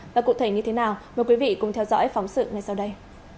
và cụ thể như thế nào mời quý vị cùng theo dõi phóng sự ngay sau đây